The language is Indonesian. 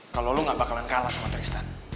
kalau lo gak bakalan kalah sama tristan